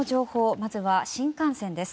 まずは新幹線です。